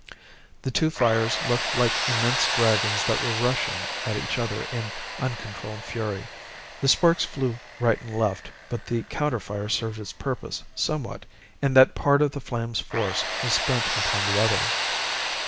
The two fires looked like immense dragons that were rushing at each other in uncontrolled fury. The sparks flew right and left, but the counter fire served its purpose somewhat in that part of the flames' force was spent upon the other.